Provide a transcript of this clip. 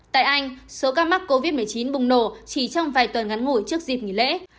tại anh số ca mắc covid một mươi chín bùng nổ chỉ trong vài tuần ngắn ngủi trước dịp nghỉ lễ